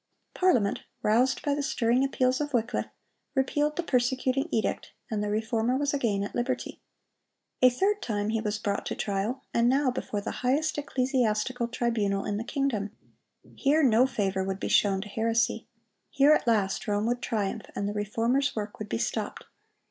Parliament, roused by the stirring appeals of Wycliffe, repealed the persecuting edict, and the Reformer was again at liberty. A third time he was brought to trial, and now before the highest ecclesiastical tribunal in the kingdom. Here no favor would be shown to heresy. Here at last Rome would triumph, and the Reformer's work would be stopped.